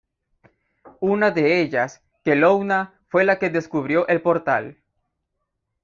Unas de ellas, Kelowna, fue la que descubrió el Portal.